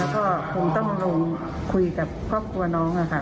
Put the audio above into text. ก็คงต้องลงคุยกับครอบครัวน้องค่ะ